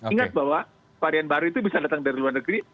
ingat bahwa varian baru itu bisa datang dari luar negeri